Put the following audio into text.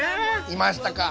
いましたか。